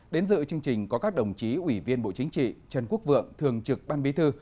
đến dự chương trình có các đồng chí ủy viên bộ chính trị trần quốc vượng thường trực ban bí thư